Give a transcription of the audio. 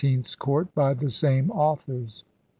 's court by the same authors.